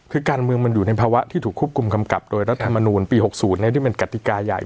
คือการเมืองมันอยู่ในภาวะที่ถูกควบคุมกำกับโดยรัฐมนูลปี๖๐ที่เป็นกติกาใหญ่